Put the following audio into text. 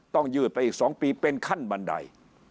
ยืดไปอีก๒ปีเป็นขั้นบันได